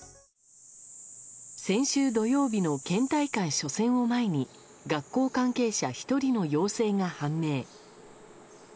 先週土曜日の県大会初戦を前に学校関係者１人の陽性が判明。